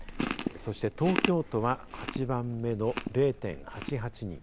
そして東京都は８番目の０．８８人